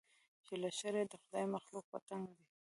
چې له شره یې د خدای مخلوق په تنګ دی